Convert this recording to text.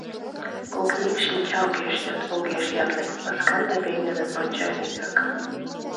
Кок еҥ шинча огеш йод, огеш ятле, Ласкан да пеҥгыдын онча вигак.